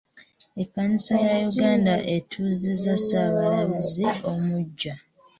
Ekkanisa ya Uganda etuuzizza Ssaabalabirizi omuggya.